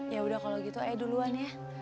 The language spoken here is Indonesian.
yaudah kalau gitu ayo duluan ya